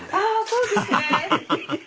そうですね！